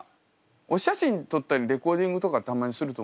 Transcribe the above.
お写真撮ったりレコーディングとかたまにすると思いますよ。